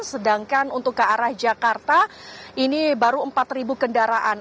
sedangkan untuk ke arah jakarta ini baru empat kendaraan